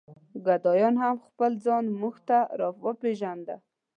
ګاډیوان هم خپل ځان مونږ ته را وپېژنده.